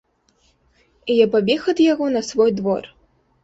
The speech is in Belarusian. І я пабег ад яго на свой двор.